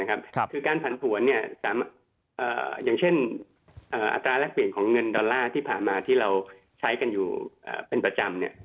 คือการผันผวนอย่างเช่นอัตราแรกเปลี่ยนของเงินดอลลาร์ที่ผ่านมาที่เราใช้กันอยู่เป็นประจำ